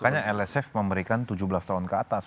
makanya lsf memberikan tujuh belas tahun ke atas